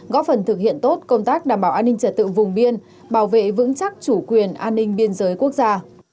góp phần thực hiện tốt công tác đảm bảo an ninh trật tự vùng biên bảo vệ vững chắc chủ quyền an ninh biên giới quốc gia